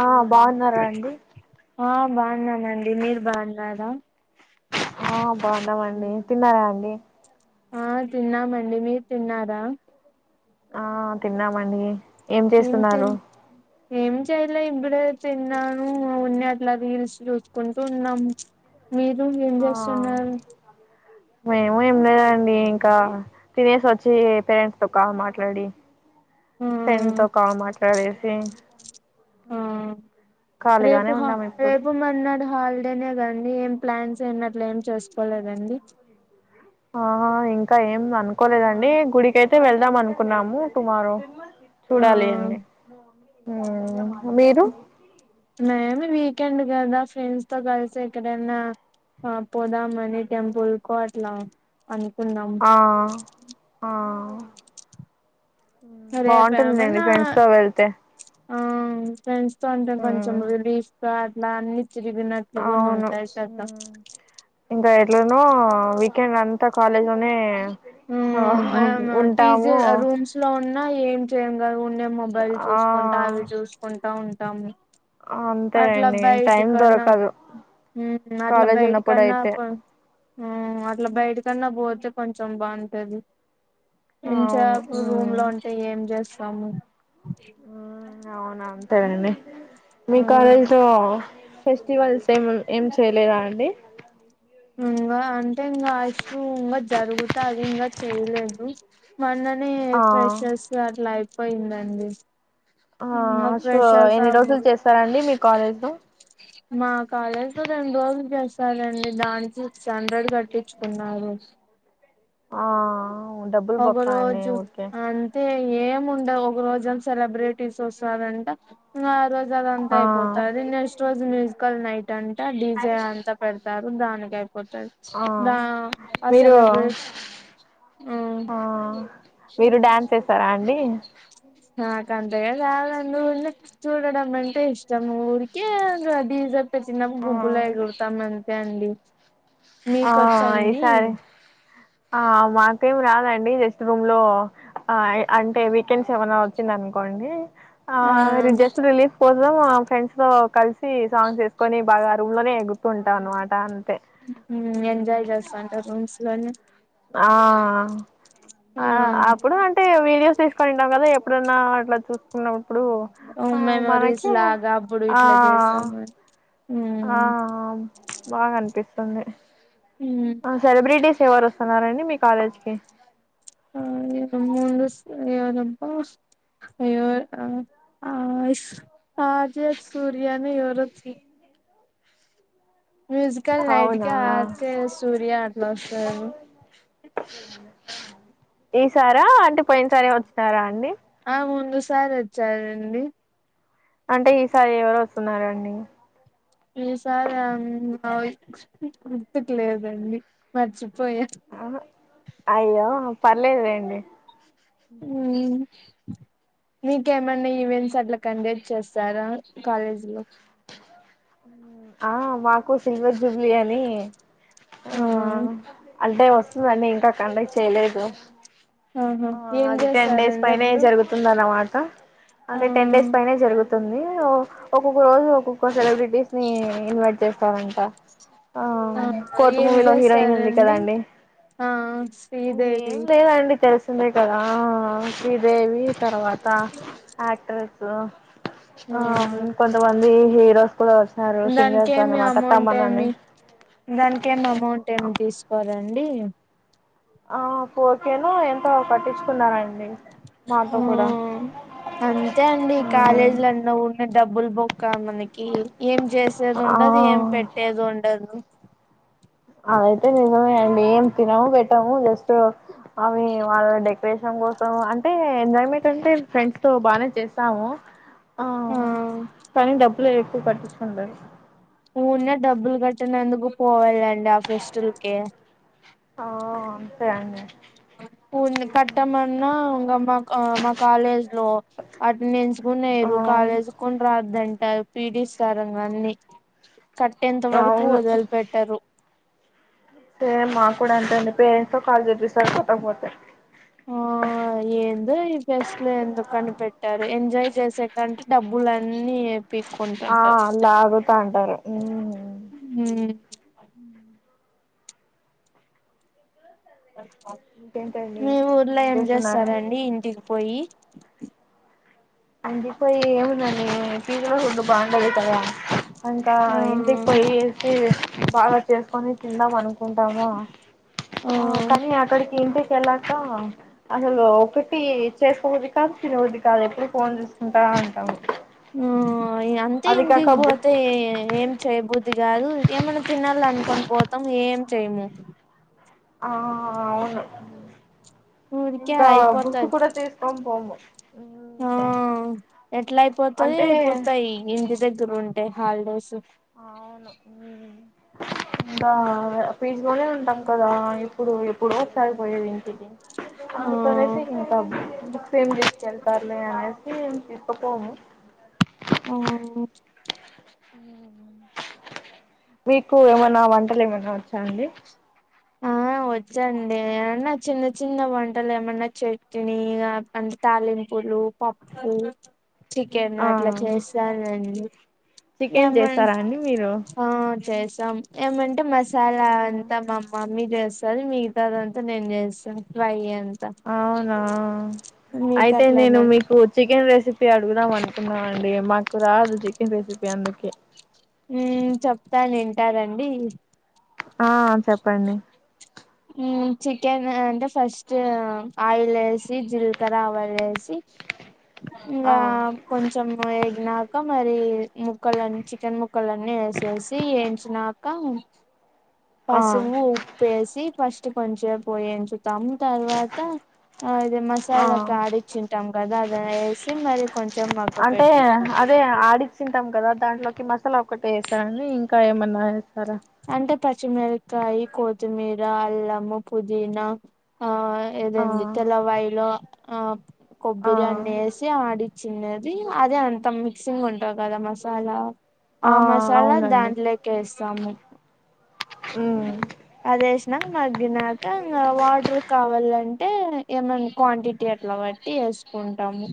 ఆ బాగున్నారా అండి ఆ బాగున్నానండి మీరు బాగున్నారా ఆ బాగున్నాామండి తిన్నారా అండి ఆ తిన్నామండి మీరు తిన్నారా ఆ తిన్నామే అండి ఏం చేస్తున్నారు ఏం చెయలే ఇప్పుడే తిన్నాను ఉన్ని అట్లా రీల్స్ చూసుకుంటూ ఉన్నాము మీరు ఏం చేస్తున్నారు మేమ ఏం లేదండి ఇంకా తినేసొచ్చి డయేస్ వచ్చి పేరెంట్స్ త కా మాట్లాడి ఆ ఫ్రెండ్ తో కా మాట్లాడేసి ఆ రేపు ఖాళీగానే ఉన్నాం ఇప్పుడు రేపు మన్నడు హల్ అంటేనే కండి ఏం ప్లాన్స్ అనట్లు ఏం చేసుకోలేదండి ఆహా ఇంకా ఏం అనుకోలేదండి గుడికైతే వెళ్దాం అనుకున్నాము టుమారో ఆ చూడాలి అండి మీరు మేమి వీకెండ్ కదా ఫ్రెండ్స్ తో కలిసి ఎక్కడనా ఆపోదా మనీ టెంపుల్ కో అట్లా అనుకున్నాం ఆ ఆ రేపు బాగుంటుందిండి ఏమన్నా ఫ్రెండ్స్ తో వెళ్తే ఆ ఫ్రెండ్స్ సో అంటే కొంచెం ఉమ్ రిలీఫ్ సో అట్లా అన్ని త్రి విన అవును ఉంటా ఎ సద [unintelligible] ఇంట్లోనూ వీకెండ్ అంతా కాలేజ్ లోనే ఆహ్ హొ ఉంటాము. న్న ఏం చేయం కదా మొబైల్ ఆ చూసుకుంటా అవి చూసుకున్ టా ఉంటాము అట్లా అంతేనండి టైం బయటికన్నా దొరకదు. కాలేజ్ ఉన్నప్పుడు అయితే అట్ల బయటిక్ కన్నా పోతే కొంచెం బావ్ టది అవును ఇంచేపూ ఉమ్ రూమ్ లో ఉంటే ఏం చేస్త్ టామూ ఉమ్, అవును అంతేనండి మీ కాలేజీ ఉమ్ తో ఫెస్టివల్స్ ఏం ఏం చేయలేదా అండి. ఇంగా అంటే ఇంగా అశ్వ్ ఇంగా జరుగుతది ఇంగా చేయ్లేదు మోన్ననే ఆ ఫ్రెషర్స్ అట్ల ఐ పోయిందండి. ఆహ్ సో ఎన్ని రోజులు చేస్తారండి. మీ కాలేజ్ లో మా కాలేజ్లో రెండు రోజులు చేస్తారండి. దానికి సిక్స్ హండ్రెడ్ కట్టించుకున్నారు. ఆహ్ హ ఒగ రోజు అంతే ఏం ఉండవు ఒక రోజు సెలబ్రిటీస్ వస్తారంట. ఇంగ ఆ రోజు అంతా ఆ అయిపోతది. నెక్స్ట్ రోజు మ్యూజికల్ నైట్ అంటే డి. జే అంతా పెడతారు దానికి అయిపోతది. ఆ ద ఆ మీరు సెలబ్రిట్ ఉహ్మ్ ఆ మీరు డ్యాన్స్ ఏస్తారా అండి. నాక్కంతం ఏం రాదు ఊర్న చూడడమ్ అంటే ఇష్టం. ఊరికే అట్లా డీ. జె వచిన్నను ఆ గుంపులో ఎగురూతం తే అండి ఆ ఈ మీకొచ్చండి సారీ ఆ మాకేం రాదండి. జస్ట్ రూమ్ లో ఆ అంటే వీకెండ్స్ ఏమనా వచ్చిందనుకోండి. ఆ జస్ట్ రిలీఫ్ పోత్ ం ఫ్రెండ్స్ తో కలిసి సాంగ్స్ వేసుకొని బాగా రూమ్ లోనే ఎగుర్తూ ఉంటాం అనమాట అ ఉ ఎంత ఎంజాయ్ చేస్తా ఉంటా రూమ్ లోనే [unintelligible] ఆ ఆ అప్పుడు అంటే వీళ్ళ వ తీసుకునింటాం కదా ఎప్పుడన్నా అట్లా చూసుకున్న మెమోరీస్ లాగా అప్పుడు ఆ ఇట్లా చేశాము అని ఆ బాగా అనిపిస్తు తుంది ఉమ్ సెలబ్రిటీస్ ఎవరు వస్తున్నారండి మీ కాలేజ్కిి ఆ ఇ ముందు ఎవరు అబ్బా ఆ రాజ సూర్యని ఎవరో తెలీదు మ్యూజికల్ నైట్ అవునా క ఆచే సూర్య అట్లా వస్తరూ ఈసారా అంటే పోయిన సరే వచ్చినారా అండి ఆ ముందు సారి వచ్చారంండి అంటే ఈసారి ఎవరు వస్తున్నారంండి ఈసారి గుర్తుకు లేదండి మర్చిపో పోయా ఆహా, అయ్యో పర్లేదు లేండి ఉ మీకేమైన్నా ఈవెంట్స్ అట్లా కండక్ట్ చేస్తారా కాలేజీలో ఆ మాకు సిల్వర్ జూబ్లీ అని ఆ అంటే వస్తుందండి ఇంకా కండక్ట్ చేయలేదు ఆహా ఆ ఏం అది టెన్ డేస్ చేస్తారండి పైనే అప్పుడు జరుగుతుంది అన్నమాట [unintelligible] ఆ అంటే టెన్ డేస్ పైనే జరుగుతుంది ంది ఒక్కొక్క రోజు ఒక్కొక్క సెలబ్రిటీ ని ఇన్వైట్ చేస్త స్తారంట ఆ ఏం చేస్తారంండి కదండి ఆ శ్రీదేవి స్తున్నాయి కదా శ్రీదేవి తర్వాత ఆ యాక్టర్స్ ఆ ఆ కొంచమ లేహ రస్త ప్పు దానికి ఏమి అమౌంట్ ఏమి దానికి ఏమి అమౌంట్ ఏమి తీసుకోవాల అండి ఆ కేను ఎంతో పట్టించుకున్నారండి మాతో ఆ కూడా అంతే అండి ఈ కాలేజీలున్న ఉ డబ్బులు బొక్క మనకి ఏం చేసేది ఉండది ఏం ఆ పెట్టేది ఉండదు అదయితే నిజమే అండి ఏం తినము పెట్టాము జస్ట్ అవి వాళ్ళ డె వేషం కోసం అంటే ఎంజాయ్మెంట్ అంటే ఫ్రెండ్స్ తో బాగానే చేస్తాము ఆ పని డబ్బు ఇట్లో ఎక్కువ పట్టిుకుంటారు ఊన్న డబ్బులు కట్టినందుకు పోవళడి ఫెస్టిల్క ఆ అంతే అండి కట్టమ ఉంగ అమ్మా అమ్మా కాాలేజ్ లో అటెండెన్స్ ఆ కురు కాలేజ్ కొని రాదు వంటారు పీడిస్తారంగా అన్ని కట్టేంత వరకు అవును వదిలిపెట్టరు సేమ్ మాకు కూడా అంతే అండి పేరెంట్స్ కాల్ చచ్చేసారు కొట్టకపోతే ఆ ఏంది ఈ ఫెస్ట్లు ఎందుకు కనిపెట్టారు ఎంజాయ్ చేసాకంటే డబ్బులన్నీ ఆ పీక్కుంటుంటారు లాగుతా అంటారు ఇంకేంటండి మీ ఊర్లో ఏం చేస్తారండి ఇంటికి పోయి అడి పోయి ఏముందని పజలో ఫడు బాగుండదుగుతదా ఇంకా ఆ ఇంటికి పోయిేసి బాగా చేసుకొని తిందాంనకు ఉంటామా ఆ తనీ అటుటికి ఇంటి వెళక అసలు ఒకటి చేసుకోవద్దు కాదు తినవద్ది కాదు ఎప్పుటి ఫోన్ చేూసుకుంటా అంటాము ఆ అంతే హిందిగ కాక బుక్ పోతే ఏం చేయబుద్ధి కాదు ఏమైన్నా తినాల అనుకుని పోతాం ఏం చేయము ఆ అవును ఊరికే ఇంకా బుసు అయిపోతది కూడా తీసుకని పోము ఆ ఎట్లా అయిపోతది అంటే అయిపోతాయి ఇంటి దగ్గర ఉం హాలిడేస్ అవును ఇంకా ఫీజిలోనే ఉంటాం కదా ఇప్పుడు ఎప్పుడు సారిపోయేది ఇంటికి ఆ అందుకనే ఇంకా సేమ్ దస్కిళ్తారులే ఇప్ప పోను ఆ మీకు ఏమన్న వంటలు ఏమైనా వచ్చా అండి ఆ వచ్చండి నా చిన్న చిన్న వంటలు ఏమన్నా చట్నీ అంటే తాలింపులు పప్పు చికెన్ ఆ అట్లా చేస్తానండి చికెన్ ఏమన్ చేస్తారా అండి మీరు ఆ చేసాం ఏమంటే మ మసాలా అంత మ మమ్మీ చేస్తాది మిగతాదంతా నేను చేస్తాను ఫ్రై అంత అవునా మీకు అయితే అట్లా నేను ఏమన్ మీకు చికెన్ రెసిపీ అడుగుదామని న్నా అండి మాకు రాదు జి రెసిపీ అందుకే ఉ చెప్తాను వింటరండి ఆ చెప్పండి చికెన్ అంటే ఫస్ట్ ఆయిల్ వేసి జీలకర్ర ఆవలు వేసి ఆ ఇంకా కొంచెం ఎగినక్ మరి ముక్కలని చికెన్ ముక్క క్కలన్నీ వేసేసి వేయించినాక ఆ పసువు ఉప్పేసి ఫస్ట్ కొంచెపు ఎంచు స్తాం తర్వాత ఇది మసాలా ఆ ఆడిచ్చింటాం కదా అద వేసి మరి కొంచెం మగ్గ పెట్టి స్తాం కదా దాంట్లోకి మసాలా ఒకటే వేస్తానని ఇంకా ఏమన్నా వేస్తారా అంటే పచ్చిమిరకాయ కొత్తిమీర అల్లము పుదీనా ఆ ఆ ఏదండి తెల్లవాయిలో ఆ ఆ కొబ్బిరి అన్ని వేసి ఆడి. చిన్నది అదే అంతా మిక్సింగ్ ఉంటాది కదా మసాలా. ఆ మసాలా దాండ్లేకేసి. సమ్ హ్మ్ నమ్ మాది నా కా వాటర్ కావాల అంటే ఏమన క్వాంటిటీ అట్లా బట్టి వేసుకుంటాము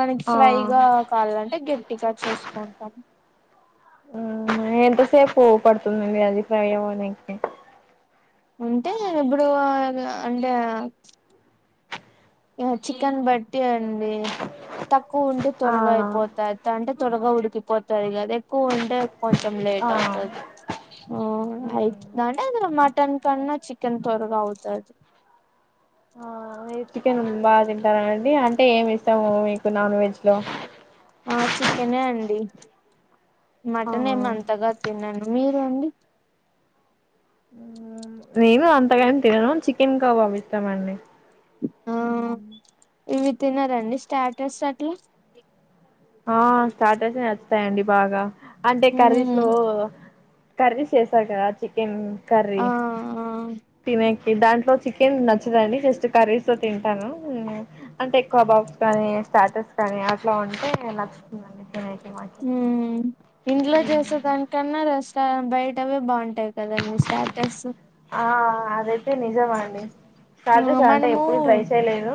మకి ఆ ఫ్రై గా కావాలంటే గే పట్టిగా చూసుకుంటాం ఎంతసేపు పడుతుందిండి అది ఫ్రై అడానికి ఉంటే ఇప్పుడు అంటే చికెన్ బట్టి అండి తక్కువ ఉంటే ఆ త్వరగా అయిపోతంది అంటే త్వరగా ఉడికిపోతాది కదా ఎక్కువ ఉంటే కొంచం లేట్ ఆ అవుతాది ఆ ఉమ్ అయితే నాడి ఆ మటన్ కన్నా చికెన్ త్వరగా అవుతాది ఆ చికెన్ బాగా తింటారనండి అంటే ఏమి ఇస్తాము మీకు నాన్ వెజ్ లో ఆ చికెనే అండి ఆ మటన్ ఏమి అంతగా తిన్నాను మీరు అండి నేను అంతగాని తిన్నాను చికెన్ కాబ్బబ్ ఇష్టం అండి ఆ ఇవి తినారండి స్టాటస్ అట్లా ఆహా స్టాటస్ అసలు తా అండి బాగా అంటే కర్రీస్ ఉమ్ లో కర్రీస్ చేస్తారు కదా చికెన్ కర్రీ ఆ ఆ తినే దాంట్లో చికెన్ నచ్చదండి జస్ట్ కర్రీస్ తో తింటాను అంటే ఎక్కువ బాక్స్ కానీ స్టాటస్ కానీ అట్లా ఉంటే ఏ నచ్చస్తుందండి హ్మ్ ఇంట్లో చేసే దానికన్నా రేస్ బయటవే బాగుంటాయి కదాండి స్టాటస్ ఆ అదే నిజం అండి ఆ స్టాటస్ అంటే మనము ఎప్పుడు ట్రై చేయలేదు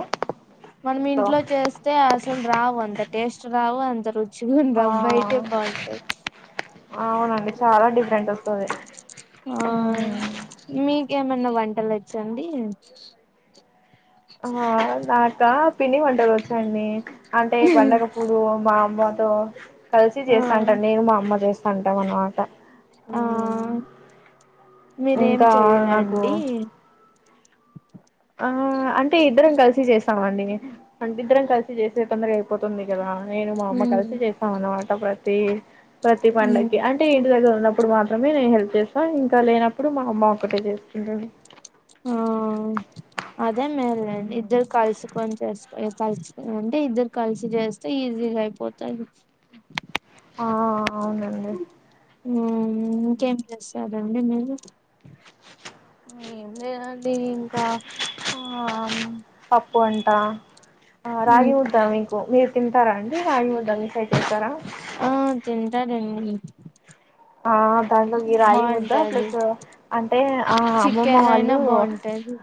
మనం ఇంట్లో చేస్తే అసలు రావు అంత టేస్ట్ రావు అంత రుచి ఆ రుచి బయటే బాగుంటాయి అవునండి చాలా డిఫరెంట్ వస్తాది ఆ మీ ఏమన్నా వంటలు వచ్చండి ఆ అవునా కా పిండి వంటలు వచ్చా అండి అంటే పండగప్పుడు మా అమ్మతో ఆ కల్పిజేస్సంటా నేను మా అమ్మ చేస్ అంటాం అనమాట ఆ మీరేం ఇంకా నాకు చేయరాండి ఆ అంటే ఇద్దరం కలిసి చేస్తామండి అంటే ఇద్దరం కలిసి చేసే తొందరగా అయిపోతుంది కదా నేను మా అమ్మ ఉమ్ కలిసి చేసాం అన్నమాట ప్రతి తే ప్రతి ఉమ్ పండక్కి అంటే ఇంటి దగ్గర ఉన్నప్ ఇప్పుడు మాత్రమే నేను హెల్ప్ చేస్తా ఇంకా లేనప్పుడు మా అమ్మ ఒక్కటే చేసుకుంటాది ఆ అదే మేల్లే ఇద్దరు కల్సుకొని చేస్ ఏ కలిసి అంటే ఇద్దరు కలిసి చేస్తే ఈజీగా అయిపోతాది ఆ అవునండి మ్మ్ ఇంకేం చేస్సారు ఎమ్మిన్నెల్లు ఏం లేదండి ఇంకా ఆ పప్పు అంట ఆ రాగి ముద్దా మీకు మీర్ తింటారా అండి రాగిముద్ద మీ సైడ్ చేస్తారా ఆ తింటారండి ఆ దాంట్లోకి ఈ రాగి ముద్దా బాగుంటది ప్లస్ అంటే ఆ అమ్మమ్మ చికెన్ అయినా వాళ్ళు, బాగుంటది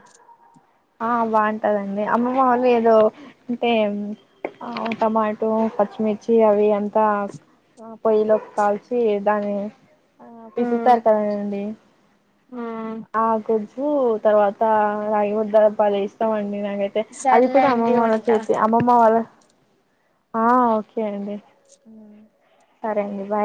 ఆ బాగుంటదండి అమ్మమ్మ వాళ్లు ఏదో అంటే ఆ టమాటో పచ్చిమిర్చి అవి అంతా పొయ్యిలో కాల్చి దాన్ని, ఆ పిసుకుతారు కదండి ఆ ఆ గుజ్జ్ ఉ తర్వాత రాగి ముద్దలబ్బా భలేయిష్టమం డి నాకైతే అది ఇప్పుడు అమ్మమ సర్లేండి వాళ ఉంటా చేతి అమ్మమ్మ వాళ్ళ ఆ ఓకే అండి సరే అండి బాయ్